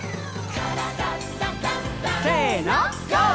「からだダンダンダン」せのＧＯ！